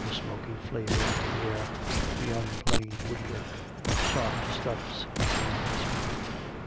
the smoky flavour of the air, the unplaned woodwork, the soft stuffs beneath his feet.